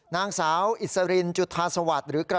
ยังไม่ได้ติดต่อกันเลยครับ